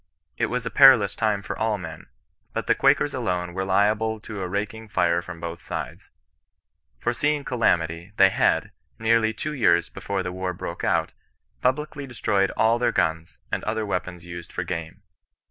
It was a perilous time for all men ; but the Quakers alone were liable to a raking fire from both sides. Foreseeing cala mity, they had, nearly two years before the war broke out, publicly destroyed all their guns, and other weapons used for game.